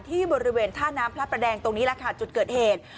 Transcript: ที่บริเวณท่าน้ำพระประแดงตรงนี้แหละค่ะจุดเกิดเหตุ